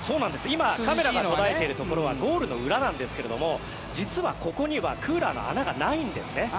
今、カメラが捉えているのはゴールの裏なんですが実はここにはクーラーの穴がないんですね。